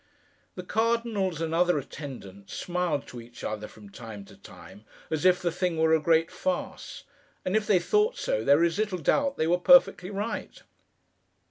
The Cardinals, and other attendants, smiled to each other, from time to time, as if the thing were a great farce; and if they thought so, there is little doubt they were perfectly right.